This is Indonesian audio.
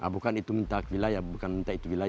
bukan itu minta wilayah bukan